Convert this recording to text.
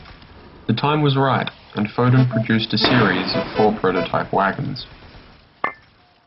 The time was right and Foden produced a series of four prototype wagons.